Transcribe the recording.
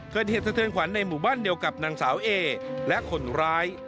เกิดเหตุสะเทือนขวัญในหมู่บ้านเดียวกับนางสาวเอและคนร้าย